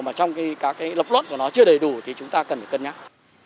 mà trong các lập luận của nó chưa đầy đủ thì chúng ta cần cân nhắc